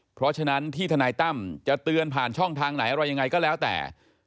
เพราะฉะนั้นที่ทนายตั้มจะเตือนผ่านช่องทางไหนอะไรยังไงก็แล้วแต่